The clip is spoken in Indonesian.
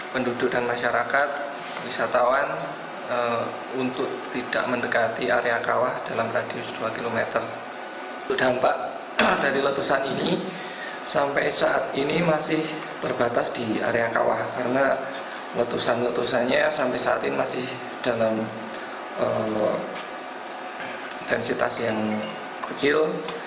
penutusannya sampai saat ini masih dalam densitas yang kecil